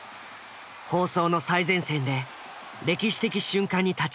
放送の最前線で歴史的瞬間に立ち合い続けた。